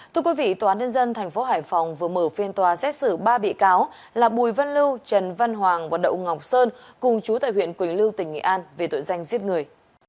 thưa quý vị tòa án nhân dân tp hải phòng vừa mở phiên tòa xét xử ba bị cáo là bùi văn lưu trần văn hoàng và đậu ngọc sơn cùng chú tại huyện quỳnh lưu tỉnh nghệ an về tội danh giết người